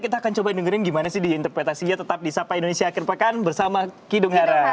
kita akan coba dengerin gimana sih di interpretasinya tetap di sapa indonesia akhir pekan bersama kidung hera